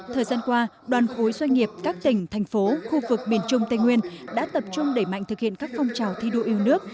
thời gian qua đoàn khối doanh nghiệp các tỉnh thành phố khu vực miền trung tây nguyên đã tập trung đẩy mạnh thực hiện các phong trào thi đua yêu nước